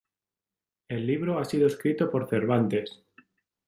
El libro ha sido escrito por Cervantes.